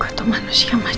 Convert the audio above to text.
gue tuh manusia macam apa sih